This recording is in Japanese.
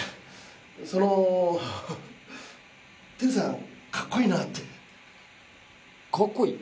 そのテルさんかっこいいなってかっこいい？